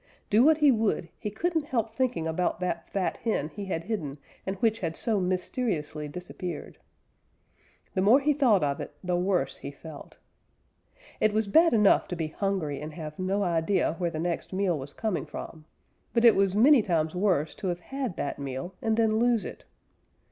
Do what he would, he couldn't help thinking about that fat hen he had hidden and which had so mysteriously disappeared. The more he thought of it, the worse he felt. It was bad enough to be hungry and have no idea where the next meal was coming from, but it was many times worse to have had that meal and then lose it.